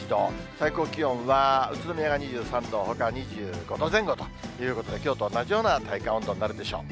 最高気温は宇都宮が２３度、ほか２５度前後ということで、きょうと同じような体感温度になるでしょう。